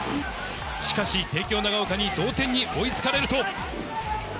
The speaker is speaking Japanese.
しかし、帝京長岡に同点に追いつかれると。